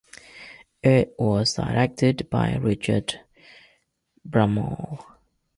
It was directed by Richard Bramall.